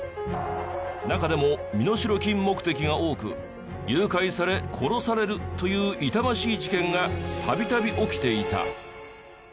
中でも身代金目的が多く誘拐され殺されるという痛ましい事件が度々起きていた。